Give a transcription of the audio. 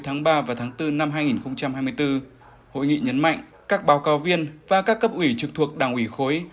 tháng ba và tháng bốn năm hai nghìn hai mươi bốn hội nghị nhấn mạnh các báo cáo viên và các cấp ủy trực thuộc đảng ủy khối